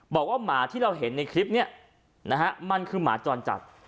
บอกว่าหมาที่เราเห็นในคลิปนี้มันคือหมาจรจัด